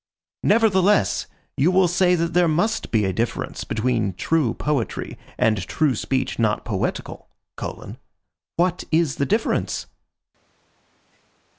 Nevertheless, you will say that there must be a difference between true poetry and true speech not poetical: what is the difference?